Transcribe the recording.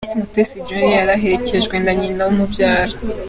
Miss Mutesi Jolly, yari aherekejwe na nyina umubyara.